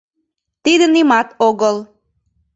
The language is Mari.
Тиде нимат огыл...